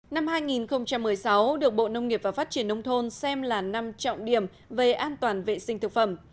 năm hai nghìn một mươi sáu được bộ nông nghiệp và phát triển nông thôn xem là năm trọng điểm về an toàn vệ sinh thực phẩm